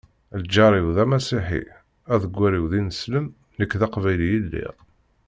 Lǧar-iw d amasiḥi, aḍeggal-iw d ineslem, nekk d aqbayli i lliɣ.